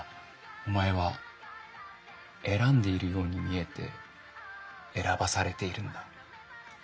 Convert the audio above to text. お前は選んでいるように見えて選ばされているんだ。